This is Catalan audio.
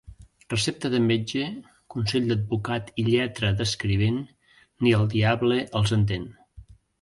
Recepta de metge, consell d'advocat i lletra d'escrivent, ni el diable els entén.